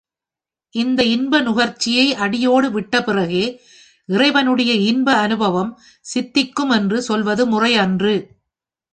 இந்த இன்ப நுகர்ச்சியை அடியோடு விட்ட பிறகே இறைவனுடைய இன்ப அநுபவம் சித்திக்கும் என்று சொல்வது முறை அன்று.